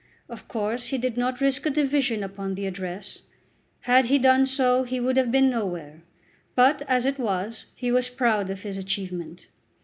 Of course he did not risk a division upon the address. Had he done so he would have been "nowhere." But, as it was, he was proud of his achievement.